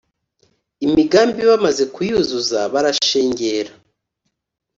imigambi bamaze kuyuzuza barashengera,